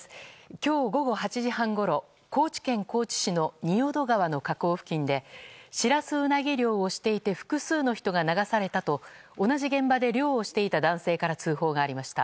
今日午後８時半ごろ高知県高知市の仁淀川の河口付近でシラスウナギ漁をしていて複数の人が流されたと同じ現場で漁をしていた男性から通報がありました。